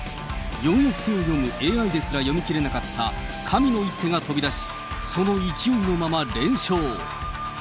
４億手を読む、ＡＩですら読み切れなかった神の一手が飛び出し、その勢いのまま連勝。